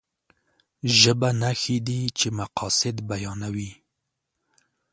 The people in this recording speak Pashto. ژبه نښې دي چې مقاصد بيانوي.